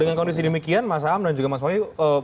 dengan kondisi demikian mas am dan juga mas wahyu